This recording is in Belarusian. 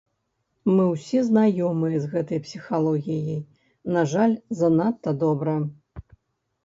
Мы ўсе знаёмыя з гэтай псіхалогіяй, на жаль, занадта добра.